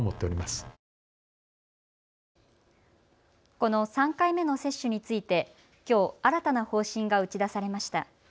この３回目の接種についてきょう新たな方針が打ち出されました。